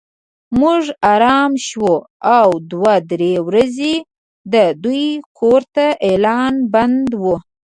موږ ارامه شوو او دوه درې ورځې د دوی کور ته اعلان بند و.